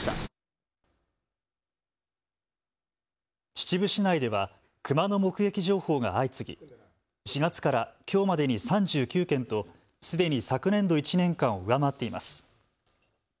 秩父市内ではクマの目撃情報が相次ぎ４月からきょうまでに３９件とすでに昨年度１年間を上回っています。